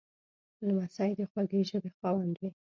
لمسی د خوږې ژبې خاوند وي.